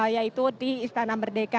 yaitu di istana merdeka